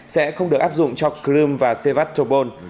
sẽ không được áp dụng cho crimea và sevastopol